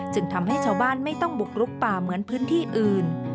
ทำให้ชาวบ้านไม่ต้องบุกลุกป่าเหมือนพื้นที่อื่น